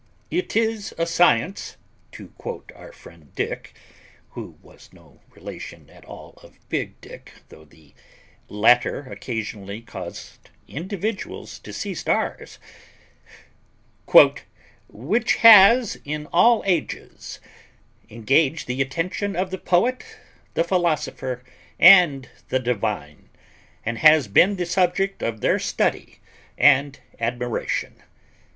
"It is a science," to quote our friend Dick (who was no relation at all of Big Dick, though the latter occasionally caused individuals to see stars), "which has, in all ages, engaged the attention of the poet, the philosopher, and the divine, and been the subject of their study and admiration."